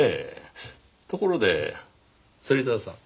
ところで芹沢さん。